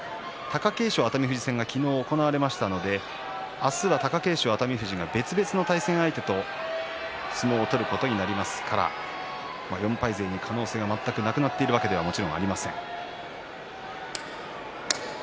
貴景勝、熱海富士戦が昨日行われたので明日は貴景勝、熱海富士別々の対戦相手と相撲を取ることになりますから４敗勢に可能性が全くなくなっているわけではもちろんありません。